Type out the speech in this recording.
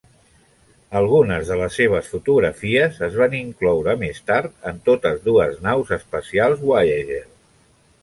Algunes de les seves fotografies es van incloure més tard en totes dues naus espacials Voyager.